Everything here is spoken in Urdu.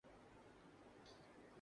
شریفوں کا حال ہی اور ہے۔